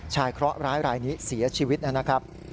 เคราะหร้ายรายนี้เสียชีวิตนะครับ